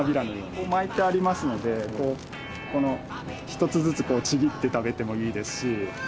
こう巻いてありますので１つずつちぎって食べてもいいですし。